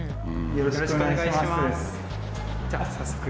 よろしくお願いします。